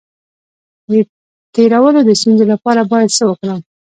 د تیرولو د ستونزې لپاره باید څه وکړم؟